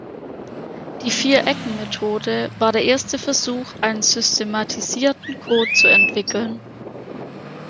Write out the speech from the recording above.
Die Vier-Ecken-Methode war der erste Versuch, einen systematisierten Code zu entwickeln.